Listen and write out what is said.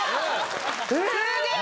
すげえ！